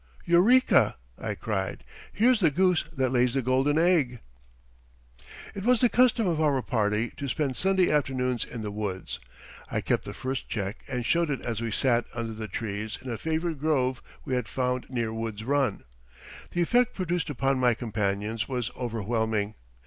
"Eureka!" I cried. "Here's the goose that lays the golden eggs." It was the custom of our party to spend Sunday afternoons in the woods. I kept the first check and showed it as we sat under the trees in a favorite grove we had found near Wood's Run. The effect produced upon my companions was overwhelming.